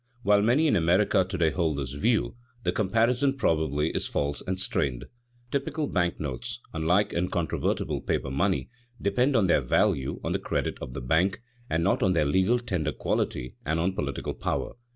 While many in America to day hold this view, the comparison probably is false and strained. Typical bank notes, unlike inconvertible paper money, depend for their value on the credit of the bank, not on their legal tender quality and on political power.